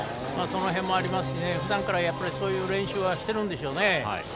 その辺もありますしふだんからそういう練習はしてるんでしょうね。